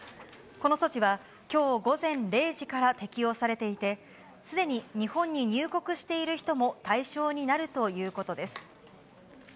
この措置は、きょう午前０時から適用されていて、すでに日本に入国している人も対象になるということです。